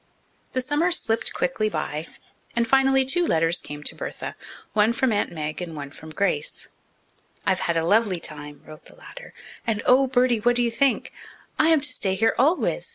The summer slipped quickly by, and finally two letters came to Bertha, one from Aunt Meg and one from Grace. "I've had a lovely time," wrote the latter, "and, oh, Bertie, what do you think? I am to stay here always.